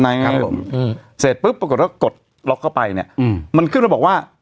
อืมเสร็จปุ๊บปรากฏแล้วกดล็อคเข้าไปเนี้ยอืมมันขึ้นแล้วบอกว่า